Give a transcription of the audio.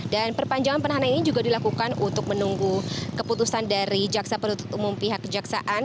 dan perpanjangan penahanan ini juga dilakukan untuk menunggu keputusan dari jaksa perutut umum pihak jaksaan